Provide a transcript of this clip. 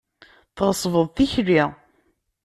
Tɣeṣbeḍ tikli.